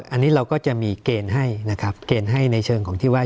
อันนี้เราก็จะมีเกณฑ์ให้นะครับเกณฑ์ให้ในเชิงของที่ว่า